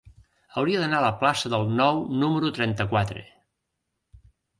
Hauria d'anar a la plaça del Nou número trenta-quatre.